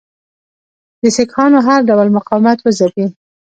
د سیکهانو هر ډول مقاومت وځپي.